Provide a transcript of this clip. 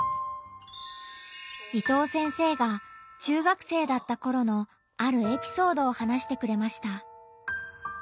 伊藤先生が中学生だったころのあるエピソードを話してくれました。